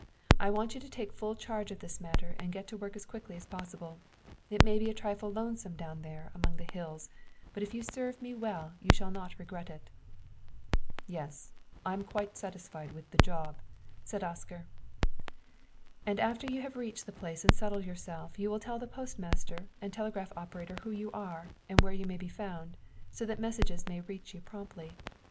I want you to take full charge of this matter and get to work as quickly as possible. It may be a trifle lonesome down there among the hills, but if you serve me well you shall not regret it." "Yes, I am quite satisfied with the job," said Oscar. "And after you have reached the place and settled yourself you will tell the postmaster and telegraph operator who you are and where you may be found, so that messages may reach you promptly.